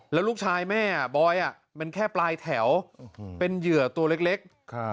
แล้วลูกชายแม่บอยมันแค่ปลายแถวเป็นเหยื่อตัวเล็ก